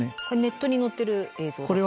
これネットに載ってる映像。